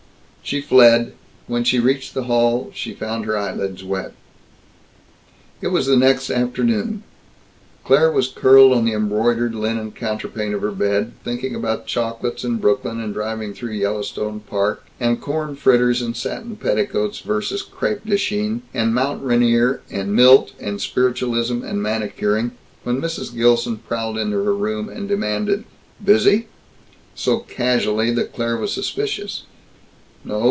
She fled. When she reached the hall she found her eyelids wet. It was the next afternoon Claire was curled on the embroidered linen counterpane of her bed, thinking about chocolates and Brooklyn and driving through Yellowstone Park and corn fritters and satin petticoats versus crêpe de chine and Mount Rainier and Milt and spiritualism and manicuring, when Mrs. Gilson prowled into her room and demanded "Busy?" so casually that Claire was suspicious. "No.